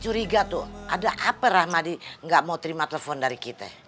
curiga tuh ada apa rahmadi gak mau terima telepon dari kita